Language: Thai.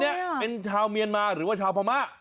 นี่ครับหนุ่มคนนี้เป็นชาวเมียนมาหรือว่าชาวพม่า